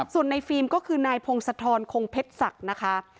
ส่วนในฟิล์มก็คือนายพงศธรคงเพชรศักดิ์นะคะ